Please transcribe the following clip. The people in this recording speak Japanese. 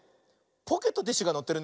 ポケットティッシュがのってるね。